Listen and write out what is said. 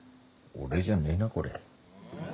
俺じゃねえなこれ。